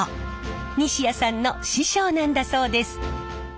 西谷さんの師匠なんだそうです。